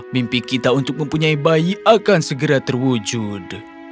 mimpi kita untuk mempunyai bayi akan segera terwujud